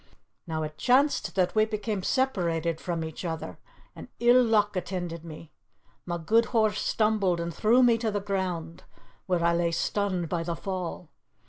Now it chanced that we became separated from each other, and ill luck attended me. My good horse stumbled, and threw me to the ground where I lay stunned by the fall.